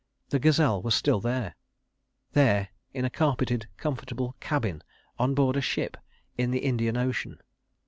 The gazelle was still there—there in a carpeted, comfortable cabin, on board a ship, in the Indian Ocean.